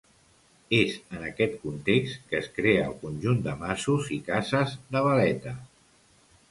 És en aquest context que es crea el conjunt de masos i cases de Valleta.